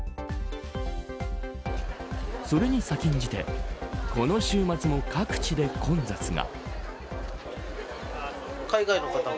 それに先んじてこの週末も各地で混雑が。